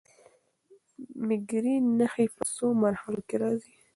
د مېګرین نښې په څو مرحلو کې راځي.